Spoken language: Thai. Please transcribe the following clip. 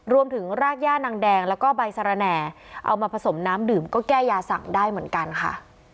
รากรากย่านางแดงแล้วก็ใบสารแหน่เอามาผสมน้ำดื่มก็แก้ยาสั่งได้เหมือนกันค่ะ